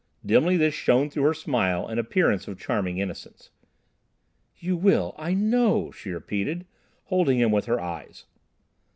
Dimly this shone through her smile and appearance of charming innocence. "You will, I know," she repeated, holding him with her eyes.